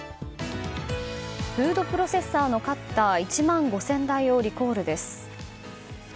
フードプロセッサーのカッター１万５０００台をリコールです。